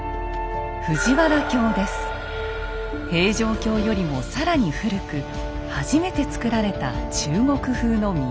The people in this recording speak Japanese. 平城京よりも更に古く初めてつくられた中国風の都。